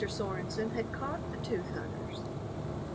Sorenson had caught the tooth hunters.